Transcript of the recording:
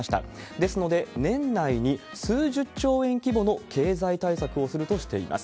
ですので、年内に数十兆円規模の経済対策をするとしています。